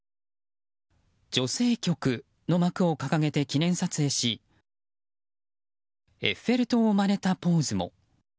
女性局の幕を掲げて記念撮影しエッフェル塔をまねたポーズも。